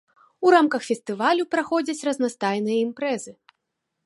У рамках фестывалю праходзяць разнастайныя імпрэзы.